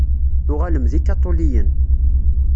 Tuɣalem d ikaṭuliyen.